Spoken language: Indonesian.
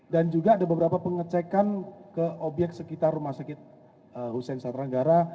dan juga ada beberapa pengecekan ke obyek sekitar rumah sakit husein satranggara